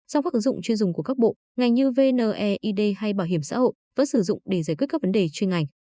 song các ứng dụng chuyên dùng của các bộ ngành như vneid hay bảo hiểm xã hội vẫn sử dụng để giải quyết các vấn đề chuyên ngành